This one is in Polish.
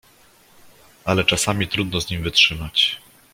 "Ale czasami trudno z nim wytrzymać."